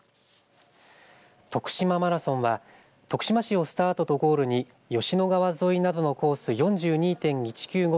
とくしまマラソンは徳島市をスタートとゴールに吉野川沿いなどのコース４２．１９５